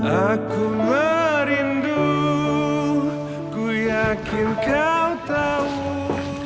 aku merindu ku yakin kau tahu